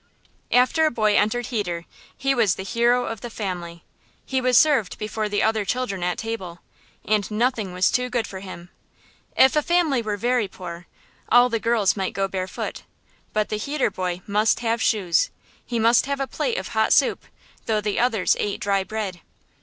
After a boy entered heder, he was the hero of the family. He was served before the other children at table, and nothing was too good for him. If the family were very poor, all the girls might go barefoot, but the heder boy must have shoes; he must have a plate of hot soup, though the others ate dry bread.